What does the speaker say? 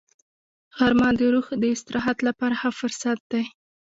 غرمه د روح د استراحت لپاره ښه فرصت دی